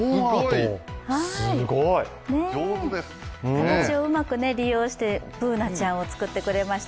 形をうまく利用して、Ｂｏｏｎａちゃんを作ってくれました。